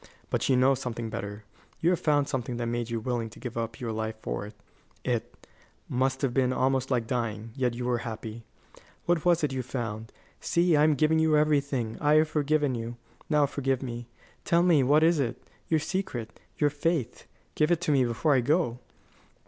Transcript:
But you know something better. You found something that made you willing to give up your life for it it, must have been almost like dying yet you were happy. What was it you found? See, I am giving you everything. I have forgiven you. Now forgive me. Tell me, what is it? Your secret, your faith give it to me before I go."